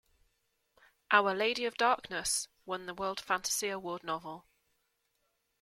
"Our Lady of Darkness" won the World Fantasy Award-Novel.